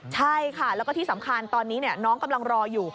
ใช่ค่ะแล้วก็ที่สำคัญตอนนี้น้องกำลังรออยู่